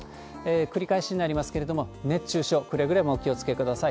繰り返しになりますけれども、熱中症、くれぐれもお気をつけください。